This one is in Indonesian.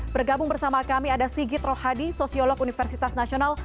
bergabung bersama kami ada sigit rohadi sosiolog universitas nasional